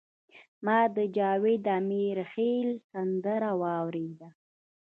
ما د جاوید امیرخیل سندره واوریده.